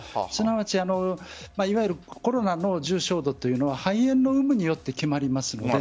すなわちコロナの重症度というのは肺炎の有無によって決まります。